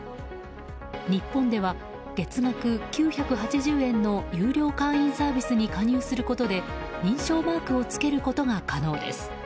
日本では、月額９８０円の有料会員サービスに加入することで、認証マークをつけることが可能です。